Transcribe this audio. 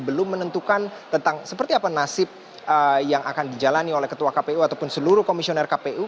belum menentukan tentang seperti apa nasib yang akan dijalani oleh ketua kpu ataupun seluruh komisioner kpu